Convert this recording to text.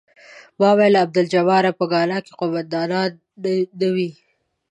ما ویل عبدالجباره په ګانا کې قوماندان نه وې.